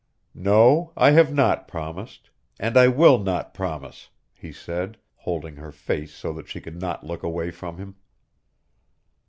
"No, I have not promised and I will not promise," he said, holding her face so that she could not look away from him.